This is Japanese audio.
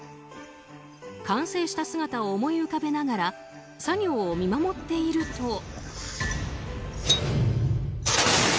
完成した姿を思い浮かべながら作業を見守っていると。